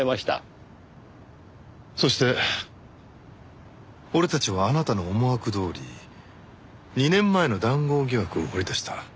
そして俺たちはあなたの思惑どおり２年前の談合疑惑を掘り出した。